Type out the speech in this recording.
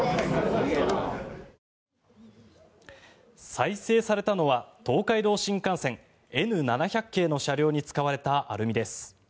再生されたのは東海道新幹線、Ｎ７００系の車両に使われたアルミです。